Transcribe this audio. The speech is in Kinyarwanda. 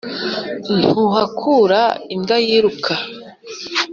Tuhakura imbwa yiruka